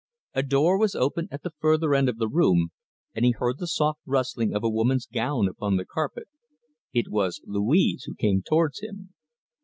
A door was opened at the further end of the room, and he heard the soft rustling of a woman's gown upon the carpet. It was Louise who came towards him.